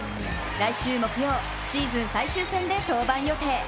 来週木曜、シーズン最終戦で登板予定。